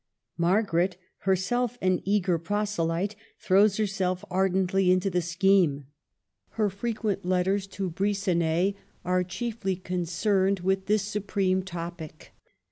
Margaret, her self an eager proselyte, throws herself ardently into the scheme. Her frequent letters to Bri gonnet are chiefly concerned with this supreme topic.